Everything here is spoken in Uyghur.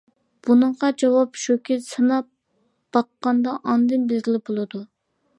بۇنىڭغا جاۋاب شۇكى، سىناپ باققاندا ئاندىن بىلگىلى بولىدۇ.